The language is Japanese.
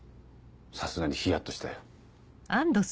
さすがにヒヤっとしたよ。